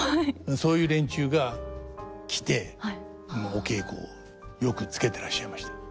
そういう連中が来てお稽古をよくつけてらっしゃいました。